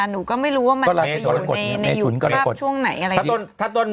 หนูก็ไม่รู้ว่ามันจะอยู่ในแบบช่วงไหน